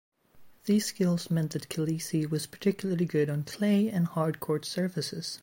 These skills meant that Kelesi was particularly good on clay and hard-court surfaces.